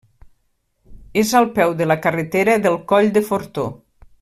És al peu de la carretera del Coll de Fortó.